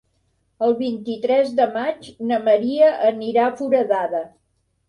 El vint-i-tres de maig na Maria anirà a Foradada.